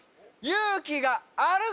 勇気がある！